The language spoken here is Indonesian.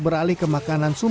berani ya dikirim